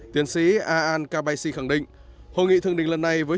tiến sĩ a a n k b c khẳng định hội nghị thương đình lần này với